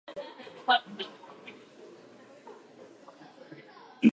江戸時代の大きな飢饉は、気温低下によるコメの収穫量減少が大きな原因である。